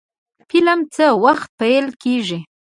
فلم څه وخت پیل کیږي؟